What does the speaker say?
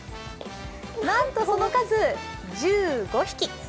なんとその数、１５匹。